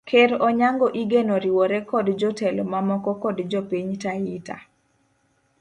Ker Onyango igeno riwore kod jotelo mamoko kod jopiny taita